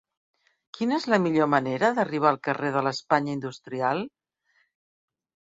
Quina és la millor manera d'arribar al carrer de l'Espanya Industrial?